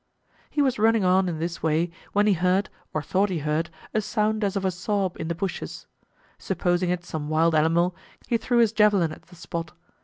He was running on in this way when he heard, or thought he heard, a sound as of a sob in the bushes. Supposing it some wild animal, he threw his javelin at the spot.